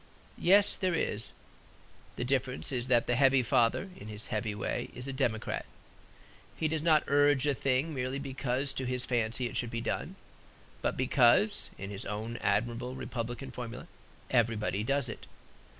Yes; there is. The difference is that the heavy father, in his heavy way, is a democrat. He does not urge a thing merely because to his fancy it should be done; but, because (in his own admirable republican formula) "Everybody does it."